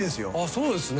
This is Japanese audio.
そうですね。